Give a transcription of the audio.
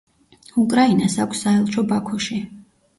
უკრაინას აქვს საელჩო ბაქოში.